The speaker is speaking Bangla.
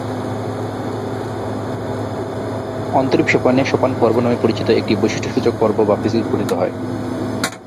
অন্তরীপ সোপানে, সোপান পর্ব নামে পরিচিত একটি বৈশিষ্ট্যসূচক পর্ব বা ফেসিস গঠিত হয়।